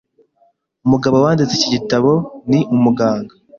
Umugabo wanditse iki gitabo ni umuganga.